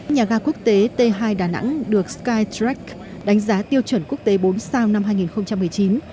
nhà ga quốc tế t hai đà nẵng được skytrack đánh giá tiêu chuẩn quốc tế bốn sao năm hai nghìn một mươi chín